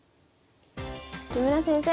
木村先生